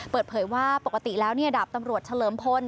เปิดเผยว่าปกติแล้วดาบตำรวจเฉลิมพล